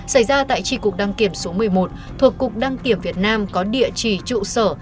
xảy ra tại tri cục đăng kiểm số một mươi một thuộc cục đăng kiểm việt nam có địa chỉ trụ sở